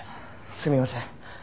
すみません。